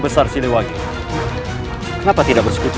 apa yang terjadi sampai kalian pun tahu